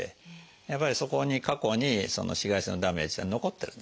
やっぱりそこに過去に紫外線のダメージは残ってるんですね